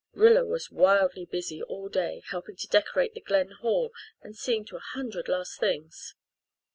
Rilla was wildly busy all day, helping to decorate the Glen hall and seeing to a hundred last things.